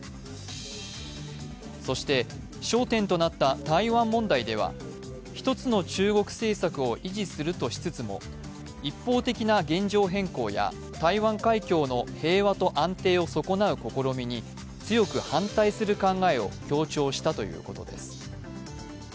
そして、焦点となった台湾問題では一つの中国政策を維持するとしつつも一方的な現状変更や台湾海峡の平和と安定を損なう試みに強く反対する考えを強調したということです。